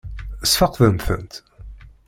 Ssfeqden-tent?